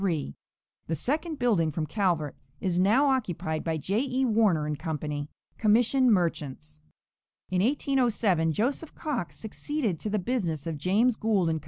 3, the second building from Calvert, is now occupied by J. E. Warner & Co., commission merchants. In 1807 Joseph Cox succeeded to the business of James Gould & Co.